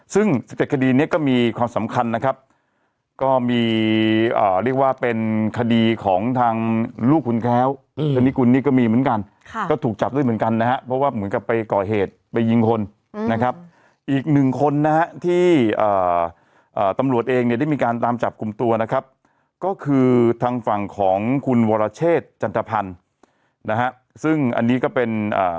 ซึ่งสิบเจ็ดคดีเนี้ยก็มีความสำคัญนะครับก็มีอ่าเรียกว่าเป็นคดีของทางลูกคุณแค้วคณิกุลนี่ก็มีเหมือนกันค่ะก็ถูกจับด้วยเหมือนกันนะฮะเพราะว่าเหมือนกับไปก่อเหตุไปยิงคนอืมนะครับอีกหนึ่งคนนะฮะที่ตำรวจเองเนี่ยได้มีการตามจับกลุ่มตัวนะครับก็คือทางฝั่งของคุณวรเชษจันทพันธ์นะฮะซึ่งอันนี้ก็เป็นอ่า